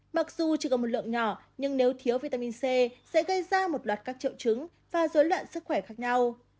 mặc dù chỉ có một lượng nhỏ nhưng nếu thiếu vitamin c sẽ gây ra một loạt các triệu chứng và dối loạn sức khỏe khác nhau